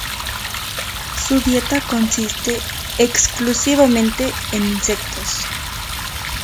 Su dieta consiste exclusivamente en insectos.